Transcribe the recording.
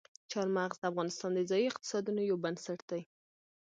چار مغز د افغانستان د ځایي اقتصادونو یو بنسټ دی.